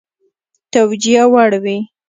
توجیه وړ وي.